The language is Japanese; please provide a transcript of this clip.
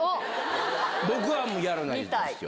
僕はもうやらないですよ。